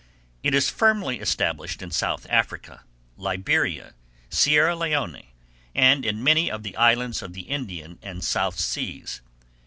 It is firmly established in South Africa, Liberia, Sierra Leone, and in many of the islands of the Indian and South Seas.